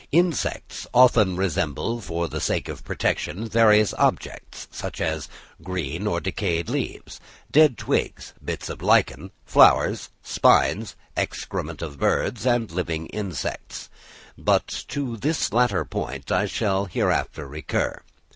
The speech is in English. Insects often resemble for the sake of protection various objects, such as green or decayed leaves, dead twigs, bits of lichen, flowers, spines, excrement of birds, and living insects; but to this latter point I shall hereafter recur.